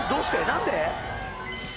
何で？